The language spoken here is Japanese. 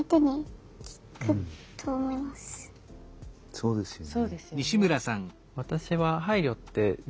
そうですよね。